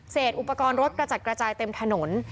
อุปกรณ์รถกระจัดกระจายเต็มถนน